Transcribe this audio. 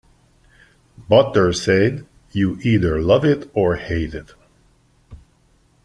Butters said, You either love it or hate it.